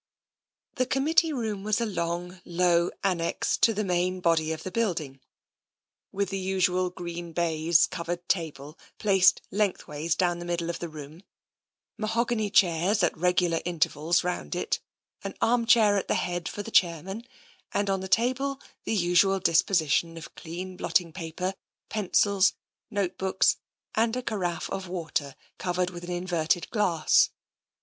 The committee room was a long, low annexe to the main body of the building, with the usual green baize covered table placed lengthways down the middle of the room, mahogany chairs at regular intervals round it, an armchair at the head for the chairman, and on the table the usual disposition of clean blotting paper, pencils, note books, and a carafe of water covered with an inverted glass.